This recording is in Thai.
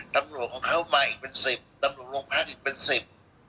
ตำหนดของเขามาอีกเป็นสิบตำหนดโรงพาร์ทอีกเป็นสิบ